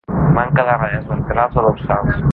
Manca de ratlles ventrals o dorsals.